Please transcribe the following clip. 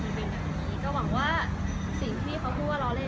มันเป็นแบบนี้ก็หวังว่าสิ่งที่เขาพูดว่าล้อเล่น